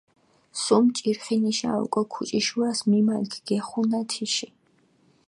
სუმ ჭირხინიშა ოკო ქუჭიშუას მიმალქჷ გეხუნა თიში.